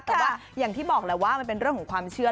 แต่ว่าอย่างที่บอกแหละว่ามันเป็นเรื่องของความเชื่อ